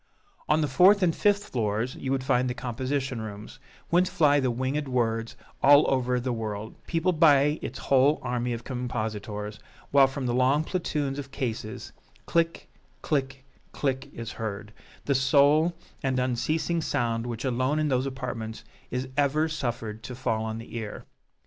On the fourth and fifth floors you would find the composition rooms, whence fly the winged words all over the world, peopled by its whole army of compositors; while from the long platoons of cases, "click click click" is heard, the sole and unceasing sound which alone in those apartments is ever suffered to fall on the ear.